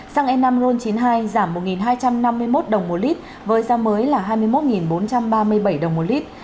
xăng e năm ron chín mươi hai giảm một hai trăm năm mươi một đồng một lít với giá mới là hai mươi một bốn trăm ba mươi bảy đồng một lít